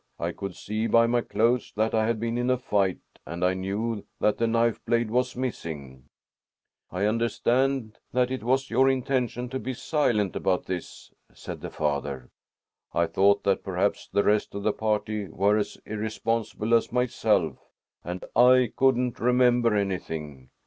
I could see by my clothes that I had been in a fight and I knew that the knife blade was missing." "I understand that it was your intention to be silent about this," said the father. "I thought that perhaps the rest of the party were as irresponsible as myself and I couldn't remember anything.